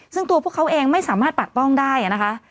ซึ่งตัวพวกเขาเองไม่สามารถปัดป้องได้นะคะ